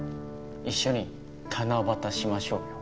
一緒に七夕しましょうよ。